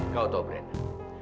kau tahu brenda